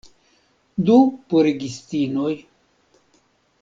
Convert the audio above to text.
Du purigistinoj.